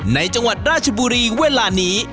จังหวัดราชบุรีเวลานี้